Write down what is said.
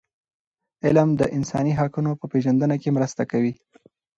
علم د انساني حقونو په پېژندنه کي مرسته کوي.